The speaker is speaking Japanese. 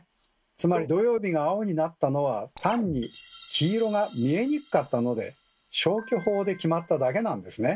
つまり土曜日が青になったのは単に黄色が見えにくかったので消去法で決まっただけなんですね。